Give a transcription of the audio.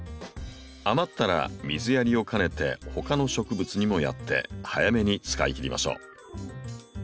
余ったら水やりを兼ねてほかの植物にもやって早めに使いきりましょう。